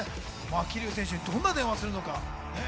桐生選手にどんな電話をするのか？